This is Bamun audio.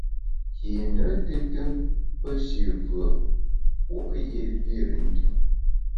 Kine tùtù pe shi vùe, puo’ yé vir i ntùm.